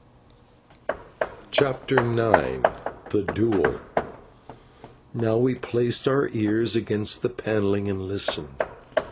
CHAPTER IX THE DUEL Now we placed our ears against the panelling and listened.